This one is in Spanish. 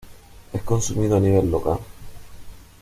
Es consumido a nivel local.